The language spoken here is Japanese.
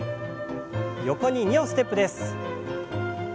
横に２歩ステップです。